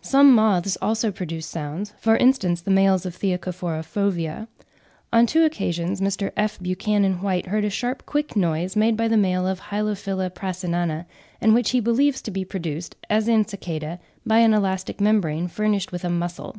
Some moths also produce sounds; for instance, the males Theocophora fovea. On two occasions Mr. F. Buchanan White (3. 'The Scottish Naturalist,' July 1872, p. 213.) heard a sharp quick noise made by the male of Hylophila prasinana, and which he believes to be produced, as in Cicada, by an elastic membrane, furnished with a muscle.